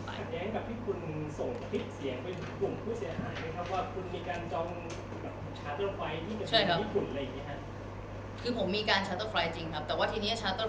ภายใกล้กับที่คุณส่งคลิปเสียงเป็นกลุ่มภูมิสิทธิภาคไหมครับ